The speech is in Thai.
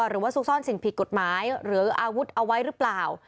ซุกซ่อนสิ่งผิดกฎหมายหรืออาวุธเอาไว้หรือเปล่า